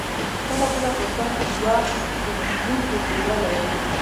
کله کله فرصت يوه تېر ايستونکې څېره لري.